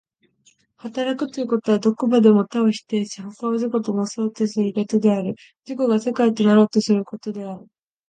働くということは、どこまでも他を否定し他を自己となそうとすることである、自己が世界となろうとすることである。